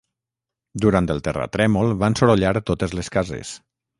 Durant el terratrèmol van sorollar totes les cases.